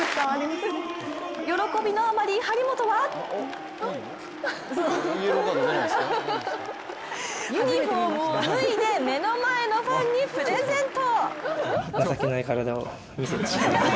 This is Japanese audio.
喜びのあまり張本はユニフォームを脱いで目の前のファンにプレゼント。